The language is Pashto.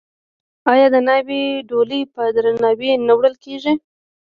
آیا د ناوې ډولۍ په درناوي نه وړل کیږي؟